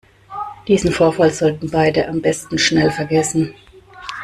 Diesen Vorfall sollten beide am besten schnell vergessen.